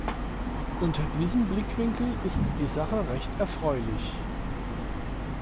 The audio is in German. Unter diesem Blickwinkel ist die Sache recht erfreulich.